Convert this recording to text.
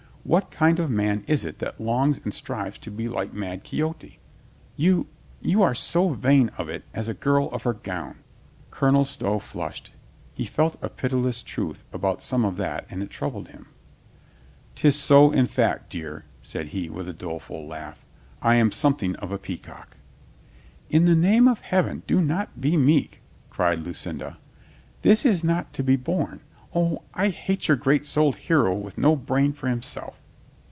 What kind of man is it that longs and strives to be like mad Quixote? You — you are as vain of it as a girl of her gown." Colonel Stow flushed. He felt a pitiless truth LOVERS' MEETING i97 about some of that and it troubled him. " 'Tis so, in fact, dear," said he with a doleful laugh. "I am something of a peacock." "In the name of Heaven, do not be meek," cried Lucinda. "That is not to be borne. O, I hate your great souled hero with no brain for himself."